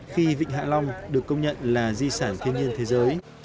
khi vịnh hạ long được công nhận là di sản thiên nhiên thế giới